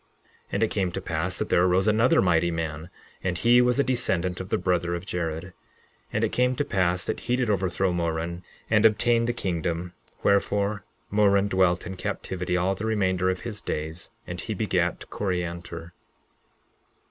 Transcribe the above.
11:17 And it came to pass that there arose another mighty man; and he was a descendant of the brother of Jared. 11:18 And it came to pass that he did overthrow Moron and obtain the kingdom; wherefore, Moron dwelt in captivity all the remainder of his days; and he begat Coriantor.